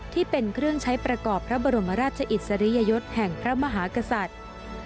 ที่เป็นเครื่องใช้ประกอบพระบรมราชอิสริยยศแห่งพระมหากษัตริย์